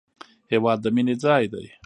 هېواد د مینې ځای دی